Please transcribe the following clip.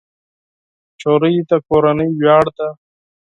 نجلۍ د کورنۍ ویاړ ده.